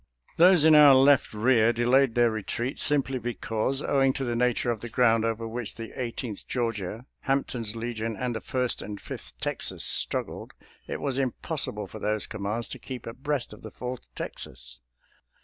Those in our left rear delayed their retreat simply because, owing to the nature of the ground over which the Eighteenth Georgia, Hampton's Legion, and the First and Fifth Texas struggled, it was impossible for those commands to keep abreast of the Fourth Texas.